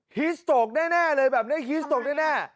ฮิตตกแน่เลยแบบฮิตตกแน่